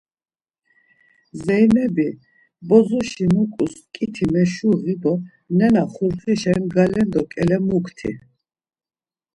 “Zeynebi, bozoşi nuǩus ǩiti meşuği do nena xurxişen galedo ǩele mukti!”